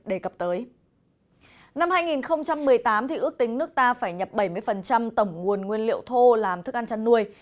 năm hai nghìn một mươi tám ước tính nước ta phải nhập bảy mươi tổng nguồn nguyên liệu thô làm thức ăn chăn nuôi